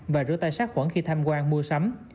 và rửa tay sát khuẩn khi tham quan mua sắm